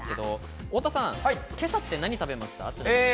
太田さん、今朝は何を食べましたか？